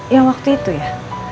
yang waktu itu ya